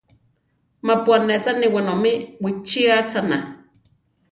Mapu anéchani wenomí wichíachana.